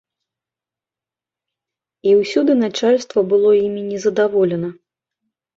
І ўсюды начальства было імі нездаволена.